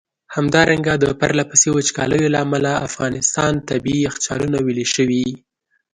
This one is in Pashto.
همدارنګه د پرله پسي وچکالیو له امله د افغانستان ٪ طبیعي یخچالونه ویلي شوي.